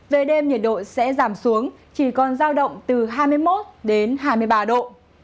về đêm nhiệt độ sẽ giảm xuống chỉ còn giao động từ hai mươi một đến hai mươi ba độ